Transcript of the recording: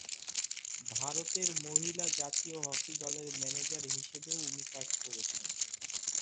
ভারতের মহিলা জাতীয় হকি দলের ম্যানেজার হিসেবেও উনি কাজ করেছেন।